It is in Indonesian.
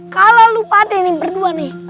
kalau lu pate ini berdua nih